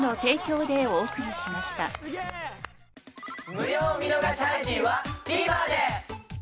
無料見逃し配信はＴＶｅｒで。